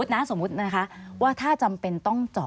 สวัสดีค่ะที่จอมฝันครับ